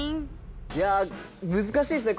いやあ難しいですね。